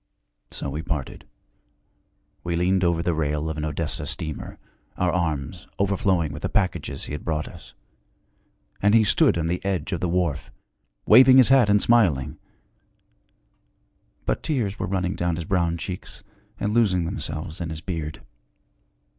So we parted. We leaned over the rail of an Odessa steamer, our arms overflowing with the packages he had brought us; and he stood on the edge of the wharf, waving his hat and smiling. But tears were running down his brown cheeks and losing themselves in his beard.